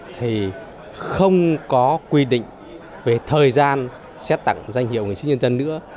thì không có quy định về thời gian xét tặng danh hiệu nghệ sĩ nhân dân nữa